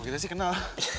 oh kita sih kenal